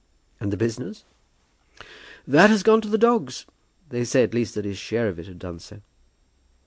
"And the business?" "That had gone to the dogs. They say at least that his share of it had done so."